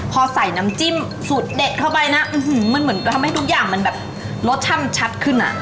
พอใส้น้ำจิ้มสุดเดะเข้าไปนะเออหือมันเหมือนทำให้ทุกอย่างลักชัดขึ้น